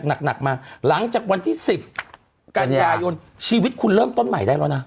หนักมาหลังจากวันที่๑๐กันยายนชีวิตคุณเริ่มต้นใหม่ได้แล้วนะ